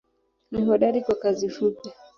Ni hodari kwa kazi fupi.